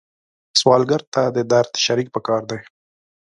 سوالګر ته د درد شریک پکار دی